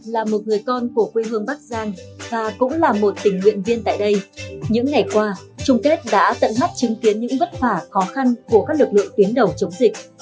là một người con của quê hương bắc giang và cũng là một tình nguyện viên tại đây những ngày qua trung kết đã tận mắt chứng kiến những vất vả khó khăn của các lực lượng tuyến đầu chống dịch